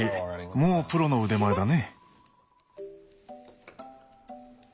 もうプロの腕前だね。